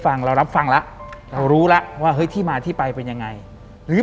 หลังจากนั้นเราไม่ได้คุยกันนะคะเดินเข้าบ้านอืม